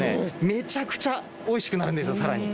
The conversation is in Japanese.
めちゃくちゃおいしくなるんです